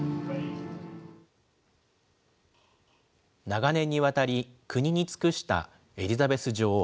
長年にわたり、国に尽くしたエリザベス女王。